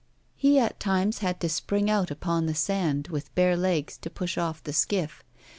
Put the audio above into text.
He at times had to spring out upon the sand, with bare legs, to push off the skiff.